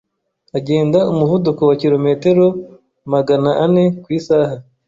agenda umuvuduko wa Kirometero maga ane ku isaha